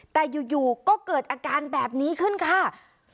แต่อยู่ก็เกิดอาการแบบนี้ขึ้นค่ะ